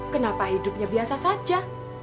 kenapa hidupnya biasa saja